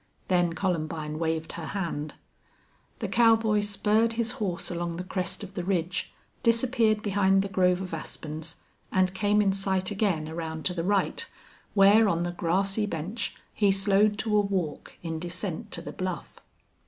Then Columbine waved her hand. The cowboy spurred his horse along the crest of the ridge, disappeared behind the grove of aspens, and came in sight again around to the right, where on the grassy bench he slowed to a walk in descent to the bluff.